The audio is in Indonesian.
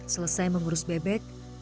selesai mengurus bebek